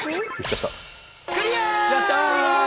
やった！